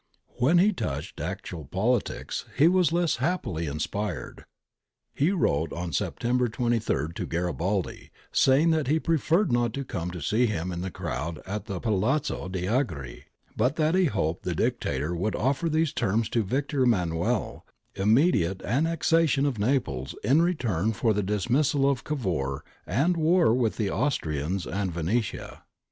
^ When he touched actual politics, he was less happily inspired. He wrote on September 2^ to Garibaldi, saying that he preferred not to come to see him in the crowd at the Palazzo d'Angri, but that he hoped the Dictator would offer these terms to Victor Emmanuel — immediate an nexation of Naples in return for the dismissal of Cavour and war with the Austrians in Venetia.